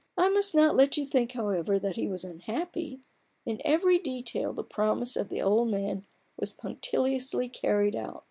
I must not let you think, however, that he was unhappy. In every detail the promise of the old man was punctiliously carried out.